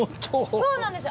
そうなんですよ。